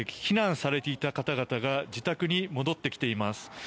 避難されていた方々が自宅に戻ってきています。